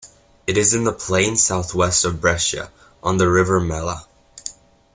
It is in the plain southwest of Brescia, on the river Mella.